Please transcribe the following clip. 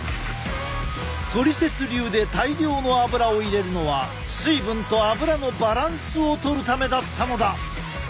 トリセツ流で大量の油を入れるのは水分と油のバランスをとるためだったのだ！